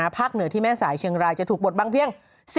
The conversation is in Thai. เหนือที่แม่สายเชียงรายจะถูกบดบังเพียง